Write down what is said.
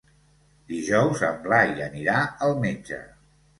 Dijous en Blai anirà al metge.